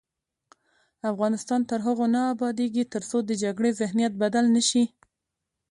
افغانستان تر هغو نه ابادیږي، ترڅو د جګړې ذهنیت بدل نه شي.